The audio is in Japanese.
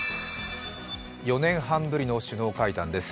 ４年半ぶりの首脳会談です。